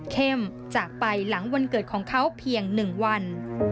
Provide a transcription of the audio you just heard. จากไปหลังวันเกิดของเขาเพียง๑วัน